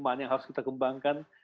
mana yang harus kita kembangkan